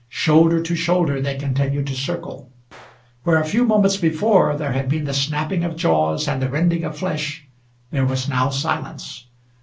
Shoulder to shoulder they continued to circle. Where a few moments before there had been the snapping of jaws and the rending of flesh there was now silence.